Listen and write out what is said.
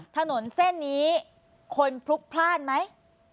ถนนเส้นนี้คนพลุกพลาดไหม